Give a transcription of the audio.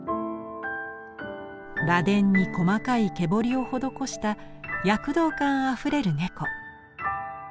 螺鈿に細かい毛彫りを施した躍動感あふれる猫。